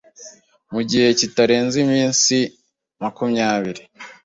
Mu gihe kitarenze iminsi makumyabiri